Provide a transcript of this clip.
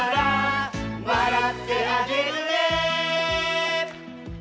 「わらってあげるね」